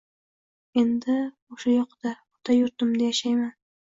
endi o’sha yokda, ota yurtimda yashayman